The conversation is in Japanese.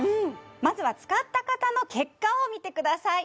まずは使った方の結果を見てください